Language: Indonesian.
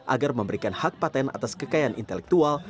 agar memberikan hak patent atas kekayaan intelektual